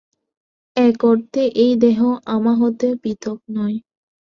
এক অর্থে এই দেহ আমা হইতে পৃথক নয়।